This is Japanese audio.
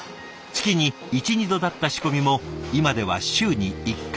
月に１２度だった仕込みも今では週に１回フル稼働。